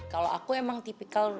kalau aku emang tipikal